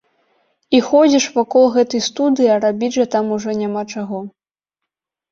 І ходзіш вакол гэтай студыі, а рабіць жа там ужо няма чаго.